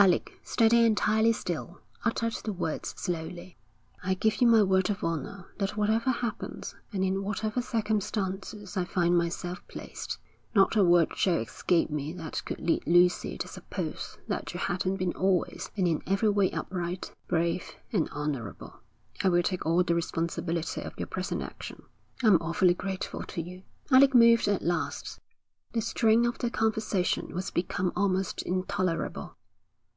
Alec, standing entirely still, uttered the words slowly. 'I give you my word of honour that whatever happens and in whatever circumstances I find myself placed, not a word shall escape me that could lead Lucy to suppose that you hadn't been always and in every way upright, brave, and honourable. I will take all the responsibility of your present action.' 'I'm awfully grateful to you.' Alec moved at last. The strain of their conversation was become almost intolerable.